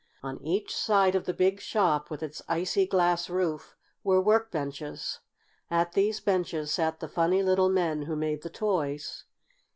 On each side of the big shop, with its icy glass roof, were work benches. At these benches sat the funny little men who made the toys.